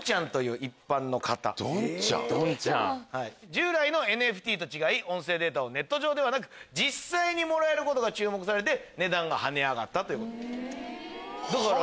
従来のＮＦＴと違い音声データをネット上ではなく実際にもらえることが注目され値段が跳ね上がったという。